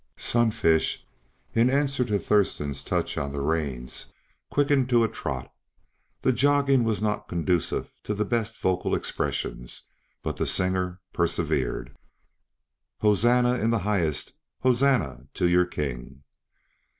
Sunfish, in answer to Thurston's touch on the reins, quickened to a trot. The joggling was not conducive to the best vocal expression, but the singer persevered: "Hosanna in the highest, Hosanna to your King!"